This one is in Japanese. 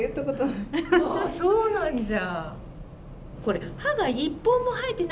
そうなんじゃ。